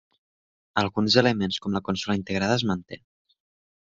Alguns elements com la consola integrada es manté.